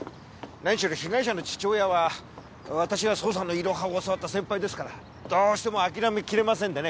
何しろ被害者の父親は私が捜査のイロハを教わった先輩ですからどうしても諦めきれませんでね。